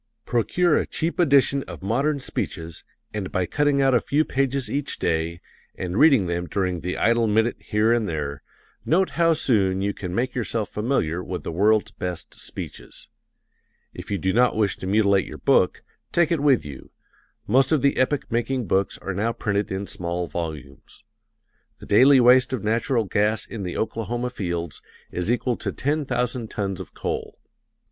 Procure a cheap edition of modern speeches, and by cutting out a few pages each day, and reading them during the idle minute here and there, note how soon you can make yourself familiar with the world's best speeches. If you do not wish to mutilate your book, take it with you most of the epoch making books are now printed in small volumes. The daily waste of natural gas in the Oklahoma fields is equal to ten thousand tons of coal.